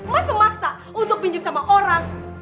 mas memaksa untuk pinjam sama orang